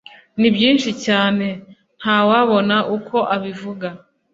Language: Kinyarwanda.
ni byinshi cyane, nta wabona uko abivuga